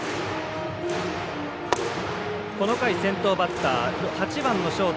この回、先頭バッター８番のショート